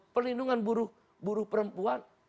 perlindungan buruh perempuan